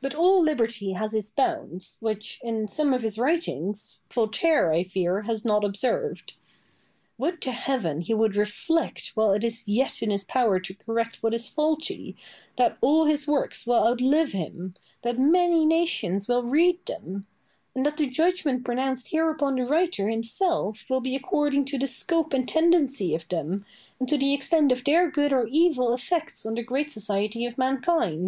But all liberty has its bounds, which, in some of his writings, Voltaire, I fear, has not observed. Would to Heaven he would reflect, while it is yet in his power to correct what is faulty, that all his works will outlive him; that many nations will read them; and that the judgment pronounced here upon the writer himself will be according to the scope and tendency of them, and to the extent of their good or evil effects on the great society of mankind.